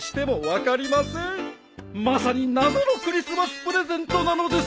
まさに謎のクリスマスプレゼントなのです。